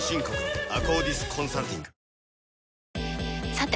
さて！